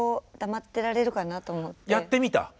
やってみた？